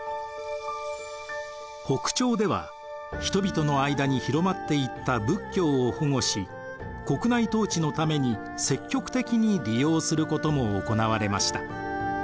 北朝では人々の間に広まっていった仏教を保護し国内統治のために積極的に利用することも行われました。